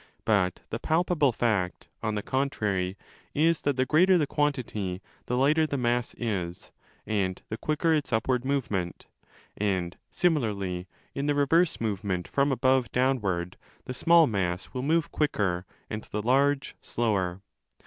But the palpable fact, on the contrary, is that the greater the quantity, the lighter the mass is and 20 the quicker its upward movement: and, similarly, in the reverse movement from above downward, the small mass will move quicker and the large slower.